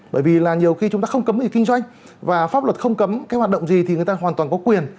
bởi vì là nhiều khi chúng ta không cấm gì kinh doanh và pháp luật không cấm cái hoạt động gì thì người ta hoàn toàn có quyền